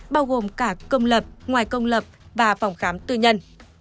bao gồm cả công lập ngoài công lập và phòng khám tư nhân